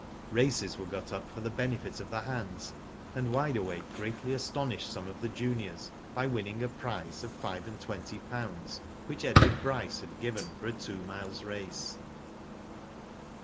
Races were got up for the benefit of the hands, and Wide Awake greatly astonished some of the juniors by winning a prize of five and twenty pounds which Edward Bryce had given for a two miles race.